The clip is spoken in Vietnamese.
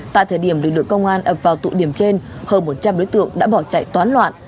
tại thời điểm lực lượng công an ập vào tụ điểm trên hơn một trăm linh đối tượng đã bỏ chạy toán loạn